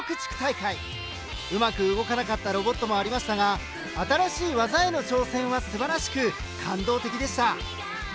うまく動かなかったロボットもありましたが新しい技への挑戦はすばらしく感動的でした。